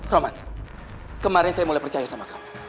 roman kemarin saya mulai percaya sama kamu